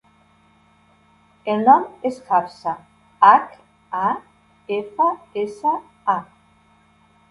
El nom és Hafsa: hac, a, efa, essa, a.